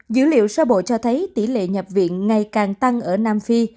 dữ liệu sơ bộ cho thấy tỷ lệ nhập viện ngày càng tăng ở nam phi